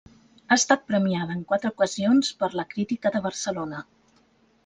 Ha estat premiada en quatre ocasions per la crítica de Barcelona.